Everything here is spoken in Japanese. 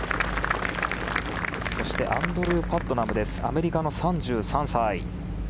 そしてアンドルー・パットナムアメリカの３３歳。